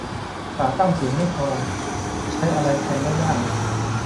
ขาตั้งสูงไม่พอ ใช้อะไรแทนได้บ้าง